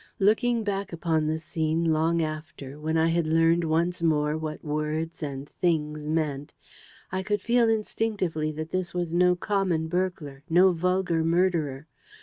Looking back upon the scene long after, when I had learned once more what words and things meant, I could feel instinctively this was no common burglar, no vulgar murderer.